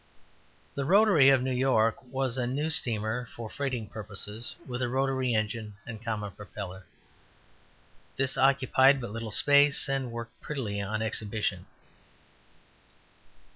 The Rotary, of New York, was a new steamer for freighting purposes, with a rotary engine and common propeller. This occupied but little space, and worked prettily on exhibition.